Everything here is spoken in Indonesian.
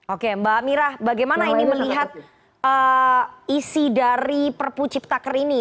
oke mbak amirah bagaimana ini melihat isi dari perpu ciptaker ini